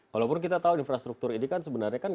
walaupun kita tahu infrastruktur ini kan sebenarnya